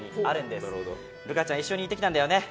琉楓ちゃん一緒に行ってきたんだよね？